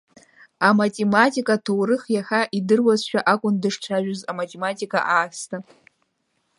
Аматематик аҭоурых иаҳа идыруазшәа акәын дышцәажәоз, аматематика аасҭа.